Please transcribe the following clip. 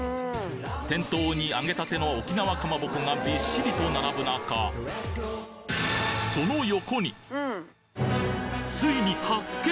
店頭に揚げたての沖縄かまぼこがびっしりと並ぶ中ついに発見！